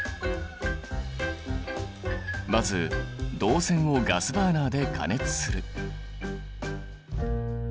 まず銅線をガスバーナーで加熱する。